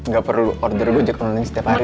gak perlu order gue jok nulis setiap hari